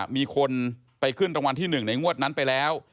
มีคนไปขึ้นรางวัลที่๑ในงวดนั้นไปแล้ว